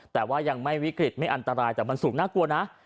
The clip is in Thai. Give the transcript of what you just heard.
แต่ว่ายังไม่วิกฤตไม่อันตรายแต่มันสูงน่ากลัวนะ